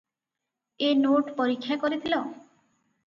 "ଏ note ପରୀକ୍ଷା କରିଥିଲ?"